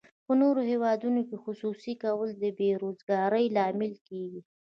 په نورو هیوادونو کې خصوصي کول د بې روزګارۍ لامل کیږي.